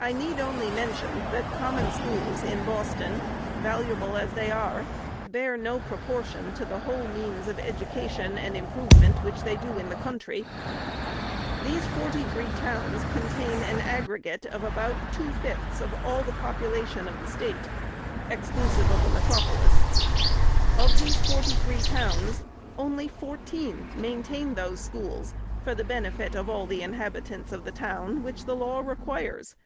I need only mention, that Common Schools, in Boston, valuable as they are, bear no proportion to the whole means of education and improvement which they do in the coun try. These forty three towns contain an aggregate of about two fifths of all the population of the State, exclu 414 THE SECRETARY'S sive of the metropolis. Of these forty three towns, only fourteen maintain those schools " for the benefit of all the inhabitants of the town," which the law requires.